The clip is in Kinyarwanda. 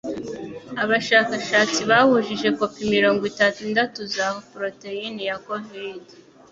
Abashakashatsi bahujije kopi mirongo itandatu za poroteyine ya covid